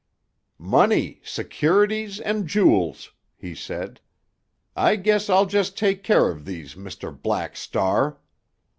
"Money, securities, and jewels!" he said. "I guess I'll just take care of these, Mr. Black Star!"